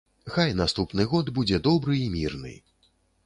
Хай наступны год будзе добры і мірны.